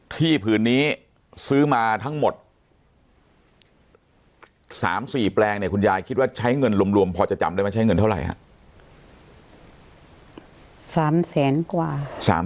ผืนนี้ซื้อมาทั้งหมด๓๔แปลงเนี่ยคุณยายคิดว่าใช้เงินรวมพอจะจำได้ไหมใช้เงินเท่าไหร่ครับ